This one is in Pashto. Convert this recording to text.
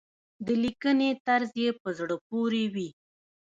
د لیکنې طرز يې په زړه پورې وي.